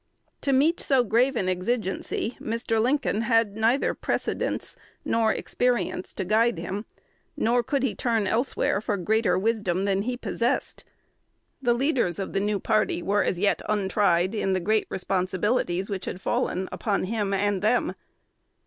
To meet so grave an exigency, Mr. Lincoln had neither precedents nor experience to guide him, nor could he turn elsewhere for greater wisdom than he possessed. The leaders of the new party were as yet untried in the great responsibilities which had fallen upon him and them.